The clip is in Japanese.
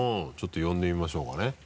ちょっと呼んでみましょうかね。